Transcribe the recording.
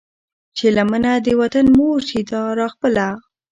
چې لمنه د وطن مور شي را خپله